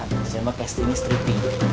biasanya mah casting ini stripping gitu ya